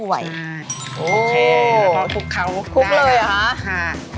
โอเคโอ้วคลุกเขาคลุกเลยอะฮะค่ะ